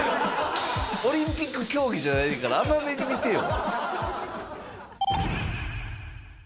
オリンピック競技じゃないんやから、甘めに見てよ。